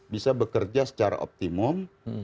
bisa bekerja secara optimum